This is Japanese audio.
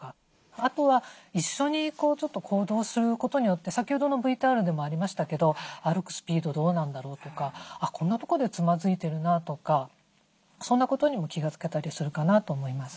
あとは一緒に行動することによって先ほどのＶＴＲでもありましたけど歩くスピードどうなんだろうとかこんなとこでつまずいてるなとかそんなことにも気が付けたりするかなと思います。